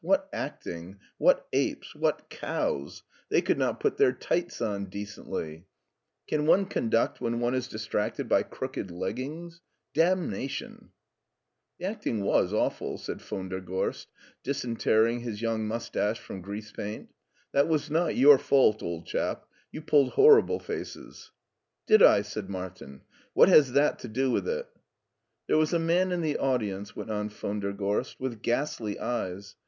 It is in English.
What acting! What apes, what cows ! They could not put their tights on decently. LEIPSIC 93 Can one conduct when one is distracted by crooked leggings ! Damnation !"" The acting was awful," said von der Gorst, dis interring his young mustache from grease paint; " that was not your fault, old chap. You pulled hor rible faces !"" Did I? " said Martin; " what has that to do with it?'' " There was a man in the audience," went on von der Gorst, " with ghastly eyes.